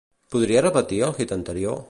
Podries repetir el hit anterior?